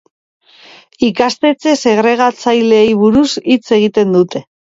Ikastetxe segregatzaileei buruz hitz egiten dute.